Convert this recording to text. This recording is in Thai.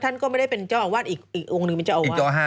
อันนี้ก็ไม่ได้เป็นเจ้าอาวาสอีกองนึงไม่ใช่เจ้าอาวาส